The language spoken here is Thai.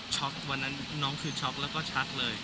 วันนั้นน้องคือช็อกแล้วก็ชักเลย